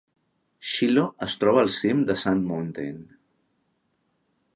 Shiloh es troba al cim de Sand Mountain.